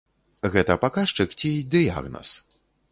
Гэта паказчык ці дыягназ?